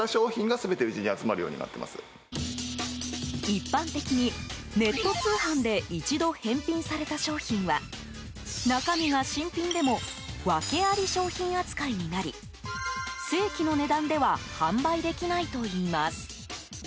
一般的に、ネット通販で一度返品された商品は中身が新品でも訳あり商品扱いになり正規の値段では販売できないといいます。